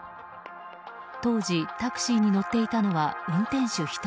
当時、タクシーに乗っていたのは運転手１人。